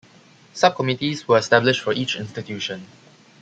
Sub-committees were established for each institution.